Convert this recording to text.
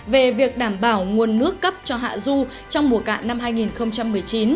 về việc đảm bảo nguồn nước cấp cho hạ du trong mùa cạn năm hai nghìn một mươi chín